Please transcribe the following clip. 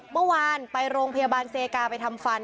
เมื่อวานไปโรงพยาบาลเซกาไปทำฟัน